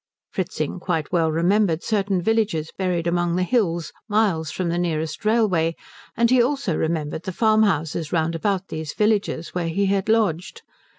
Fritzing quite well remembered certain villages buried among the hills, miles from the nearest railway, and he also remembered the farmhouses round about these villages where he had lodged.